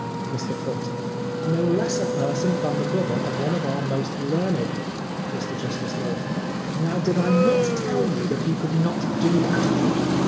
Mr. Foote : No less a person than the brother of one of our most learned Mr. Justice North : Now did I not tell you that you could not do that?